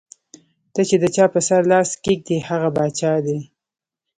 ته چې د چا پۀ سر لاس کېږدې ـ هغه باچا دے ـ